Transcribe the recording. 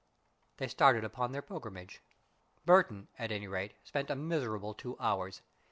They started upon their pilgrimage. Burton, at any rate, spent a miserable two hours.